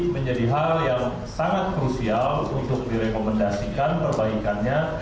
menjadi hal yang sangat krusial untuk direkomendasikan perbaikannya